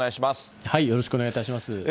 よろしくお願いします。